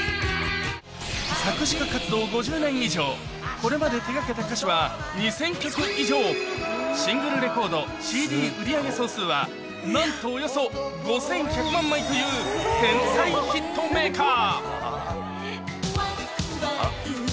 これまで手がけた歌詞は２０００曲以上シングルレコード ＣＤ 売り上げ総数はなんとおよそ５１００万枚という天才ヒットメーカー